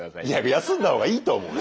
休んだ方がいいと思う。